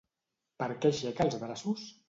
Per què aixeca els braços?